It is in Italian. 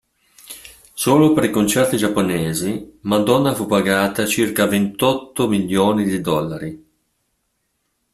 Solo per i concerti giapponesi, Madonna fu pagata circa ventotto milioni di dollari.